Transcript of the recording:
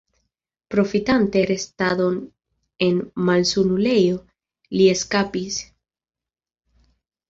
Profitante restadon en malsanulejo, li eskapis.